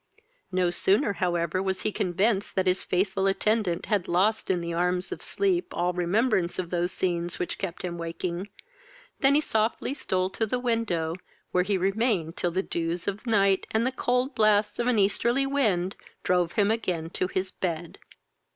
No sooner however was he convinced that his faithful attendant had lost in the arms of sleep all remembrance of those scenes which kept him waking, than her softly stole to the window, where he remained till the dews of night and the cold blasts of an easterly wind drove him again to his bed.